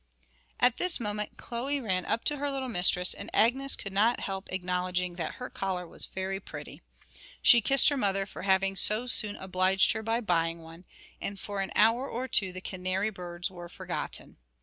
At this moment Chloe ran up to her little mistress, and Agnes could not help acknowledging that her collar was very pretty. She kissed her mother for having so soon obliged her by buying one, and for an hour or two the canary birds were forgotten.